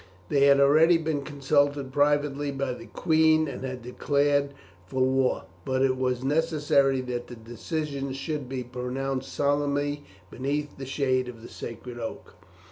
They had already been consulted privately by the queen and had declared for war; but it was necessary that the decision should be pronounced solemnly beneath the shade of the sacred oak.